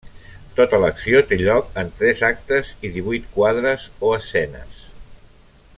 Tota l'acció té lloc en tres actes i divuit quadres o escenes.